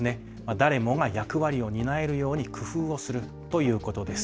誰もが役割を担えるように工夫をするということです。